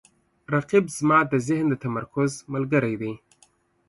رقیب زما د ذهن د تمرکز ملګری دی